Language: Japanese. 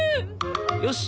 よし。